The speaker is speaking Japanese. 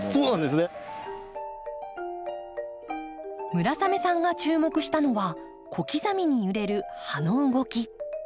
村雨さんが注目したのは小刻みに揺れる葉の動き。